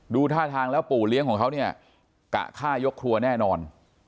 ท่าทางแล้วปู่เลี้ยงของเขาเนี่ยกะฆ่ายกครัวแน่นอน